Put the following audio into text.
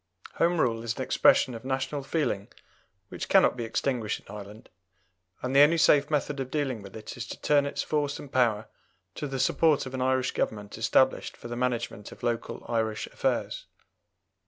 Home Rule is an expression of national feeling which cannot be extinguished in Ireland, and the only safe method of dealing with it is to turn its force and power to the support of an Irish Government established for the management of local Irish affairs.